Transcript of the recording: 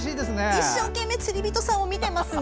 一生懸命、釣り人さんを見てますね。